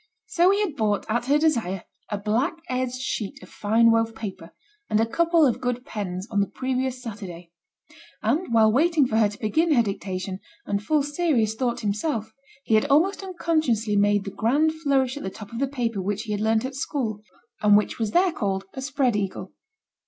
So he had bought, at her desire, a black edged sheet of fine wove paper, and a couple of good pens, on the previous Saturday; and while waiting for her to begin her dictation, and full serious thought himself, he had almost unconsciously made the grand flourish at the top of the paper which he had learnt at school, and which was there called a spread eagle.